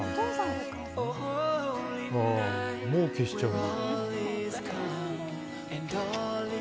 もう消しちゃうの？